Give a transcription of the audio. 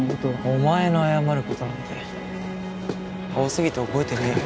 お前の謝ることなんて多すぎて覚えてねぇよ。